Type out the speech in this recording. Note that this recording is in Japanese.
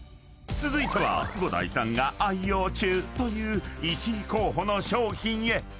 ［続いては伍代さんが愛用中という１位候補の商品へ］